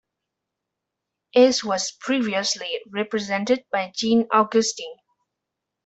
It was previously represented by Jean Augustine.